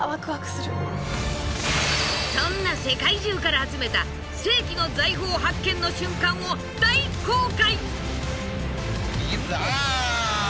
そんな世界中から集めた世紀の財宝発見の瞬間を大公開！